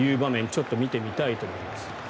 ちょっと見てみたいと思います。